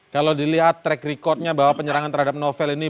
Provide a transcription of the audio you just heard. kalau dilihat track recordnya bahwa penyerangan terhadap novel ini